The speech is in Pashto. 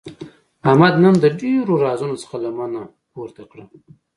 احمد نن د ډېرو رازونو څخه لمنه پورته کړه.